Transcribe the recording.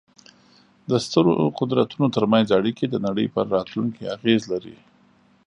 د سترو قدرتونو ترمنځ اړیکې د نړۍ پر راتلونکې اغېز لري.